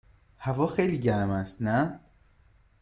هوا خیلی گرم است، نه؟